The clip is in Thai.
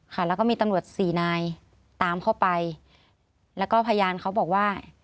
ค่ะแล้วก็มีตำรวจสี่นายตามเข้าไปแล้วก็พยานเขาบอกว่า